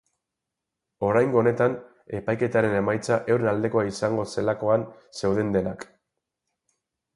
Oraingo honetan epaiketaren emaitza euren aldekoa izango zelakoan zeuden denak.